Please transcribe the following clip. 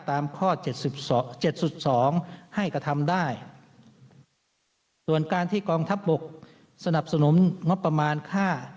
๗๒ให้กระทำได้ส่วนการที่กองทัพบกสนับสนุนงบประมาณค่า